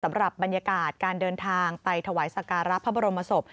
สำหรับบรรยากาศการเดินทางไปถวายสการะพระบรมศพ